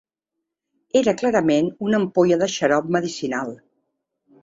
Era clarament una ampolla de xarop medicinal!